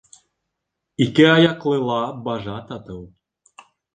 Ике аяҡлыла бажа татыу